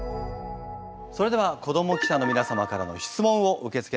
それでは子ども記者の皆様からの質問を受け付けたいと思います。